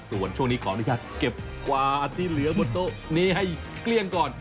ส่วนช่วงนี้ขออนุญาตเก็บกวาดที่เหลือบนโต๊ะนี้ให้เกลี้ยงก่อน